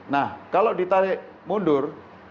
nah kalau ditarik mundur